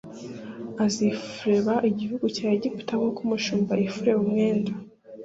azifureba igihugu cya egiputa nk uko umushumba yifureba umwenda